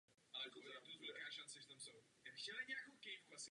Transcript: Taktéž se tu nachází "Starý" a "Nový zámek".